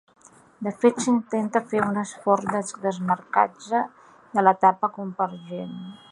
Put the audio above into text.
De fet s’intenta fer un esforç de desmarcatge de l’etapa convergent.